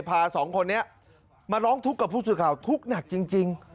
พาสองคนนี้มาร้องทุกข์กับผู้สื่อข่าวทุกข์หนักจริง